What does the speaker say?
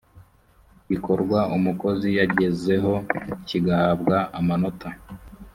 gikorwa umukozi yagezeho kigahabwa amanota